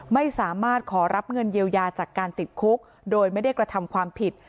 ไม่สามารถขอรับเงินเยียวยาจากการติดคุกโดยไม่ได้กระทำความผิด